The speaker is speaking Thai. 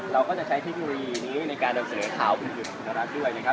เราก็จะใช้ทิกลีนี้ในการดังเสนอข่าวคุณหยุดคุณรัฐด้วยนะครับ